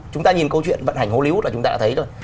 chúng ta nhìn câu chuyện vận hành hollywood là chúng ta đã thấy rồi